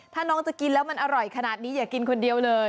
ถ้าน้องจะกินแล้วมันอร่อยขนาดนี้อย่ากินคนเดียวเลย